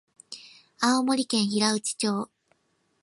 青森県平内町